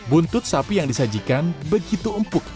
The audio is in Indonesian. buntut sapi yang disajikan begitu empuk